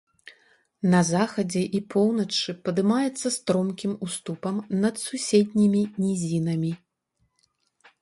На захадзе і поўначы падымаецца стромкім уступам над суседнімі нізінамі.